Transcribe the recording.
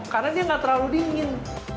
karena dia nggak terlalu dingin